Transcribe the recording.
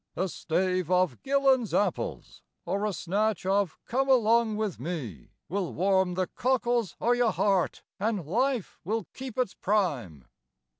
A stave of "Gillan's Apples" or a snatch of "Come Along With Me" Will warm the cockles o' your heart, an' life will keep its prime.